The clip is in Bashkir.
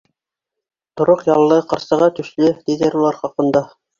Тороҡ яллы, ҡарсыға түшле, тиҙәр улар хаҡында.